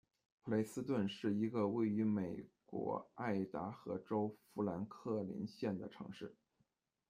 普雷斯顿是一个位于美国爱达荷州富兰克林县的城市。